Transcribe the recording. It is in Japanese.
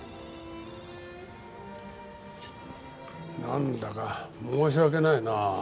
なんだか申し訳ないな。